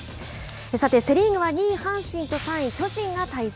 セ・リーグは２位阪神と３位巨人が対戦。